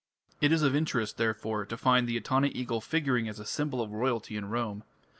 It is of interest, therefore, to find the Etana eagle figuring as a symbol of royalty at Rome.